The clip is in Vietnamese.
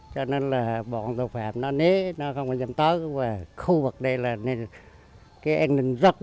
cho nên bọn tội phạm nó nế nó không biết